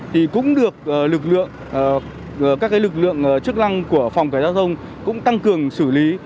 thì cũng được các lực lượng chức năng của phòng cảnh giao thông tăng cường xử lý